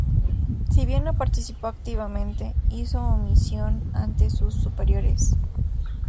Si bien no participó activamente, hizo omisión ante sus superiores.